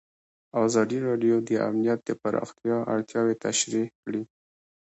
ازادي راډیو د امنیت د پراختیا اړتیاوې تشریح کړي.